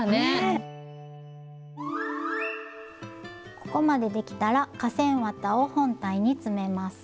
ここまでできたら化繊綿を本体に詰めます。